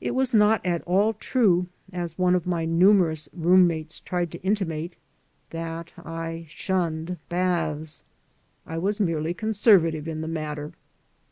It was not at all true, as one of my numerous room mates tried to intimate, that I shunned baths. I was merely conservative in the matter.